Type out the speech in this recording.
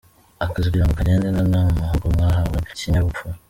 Akazi kugira ngo kagende neza ni amahugurwa mwahawe n’ikinyabupfura.